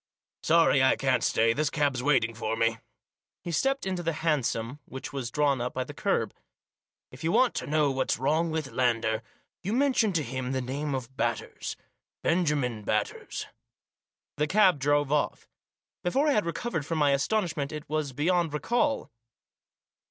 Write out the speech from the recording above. Sorry I can't stay, this cab's waiting for me." He stepped into the hansom which was drawn up by the kerb. " If you want to know what's wrong with Lander, you mention to him the name of Batters — Benjamin Batters." The cab drove off. Before I had recovered from my astonishment it was beyond recall.